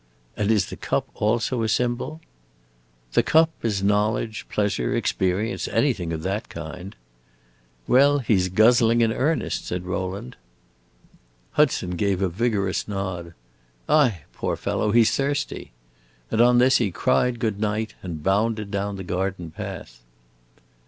"And is the cup also a symbol?" "The cup is knowledge, pleasure, experience. Anything of that kind!" "Well, he 's guzzling in earnest," said Rowland. Hudson gave a vigorous nod. "Aye, poor fellow, he 's thirsty!" And on this he cried good night, and bounded down the garden path.